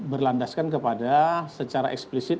berlandaskan kepada secara eksplisit